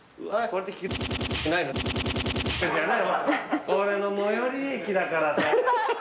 俺の最寄り駅だからさ。